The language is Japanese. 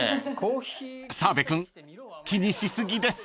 ［澤部君気にし過ぎです］